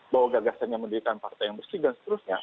bahwa gagasannya mendirikan partai yang bersih dan seterusnya